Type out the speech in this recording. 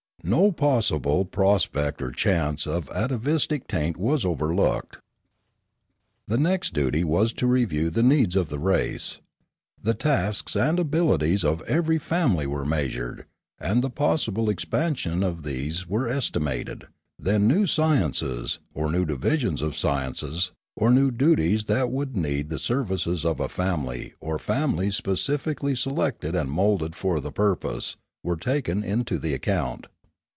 No possible pro spect or chance of atavistic taint was overlooked. The next duty was to review the needs of the race. The tasks and abilities of every family were measured, and the possible expansions of these were estimated; then new sciences, or new divisions of sciences, or new duties that would need the services of a family or families specially selected and moulded for the purpose, were taken into the account.